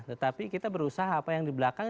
tetapi kita berusaha apa yang di belakang